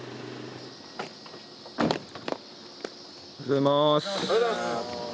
おはようございます。